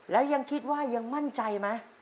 แล้วยังคิดว่ายังมั่นใจไหม